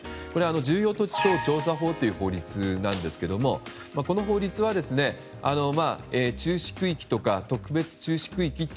重要土地調査法という法律ですがこの法律は注視区域とか特別注視区域。